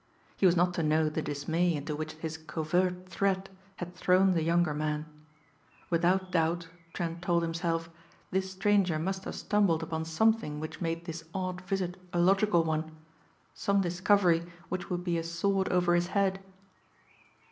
He was not to know the dismay into which his covert threat had thrown the younger man. Without doubt, Trent told himself, this stranger must have stumbled upon something which made this odd visit a logical one, some discovery which would be a sword over his head.